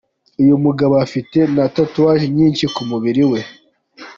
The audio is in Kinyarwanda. Uyu mugabo afite na Tattoos nyinshi ku mubiri we.